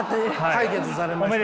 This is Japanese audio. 解決されましたので。